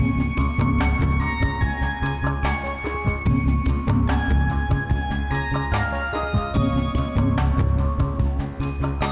no di mana bentuknya